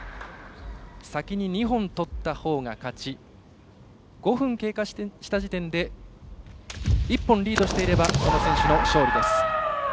先に２本取ったほうが勝ち５分経過した時点で１本リードしていればその選手の勝利です。